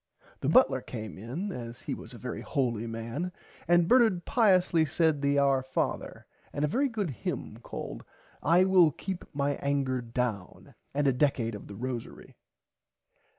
The butler came in as he was a very holy man and Bernard piously said the Our Father and a very good hymm called I will keep my anger down and a Decad of the Rosary.